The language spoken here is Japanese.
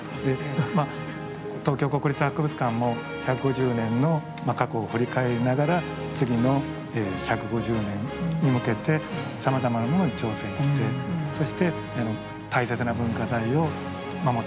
東京国立博物館も１５０年の過去を振り返りながら次の１５０年に向けてさまざまなものに挑戦してそして大切な文化財を守っていきたい。